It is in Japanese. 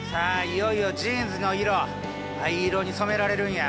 いよいよジーンズの色藍色に染められるんや！